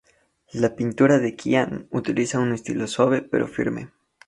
La pintura de Qian utiliza un estilo suave pero firme.